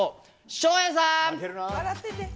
照英さん。